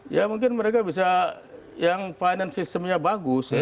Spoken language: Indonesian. ya mungkin mereka bisa yang finance systemnya bagus